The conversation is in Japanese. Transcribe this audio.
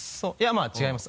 まぁ違います